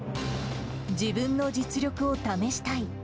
自分の実力を試したい。